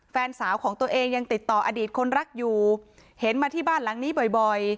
แฟนสาวของตัวเองยังติดต่ออดีตคนรักอยู่เห็นมาที่บ้านหลังนี้บ่อย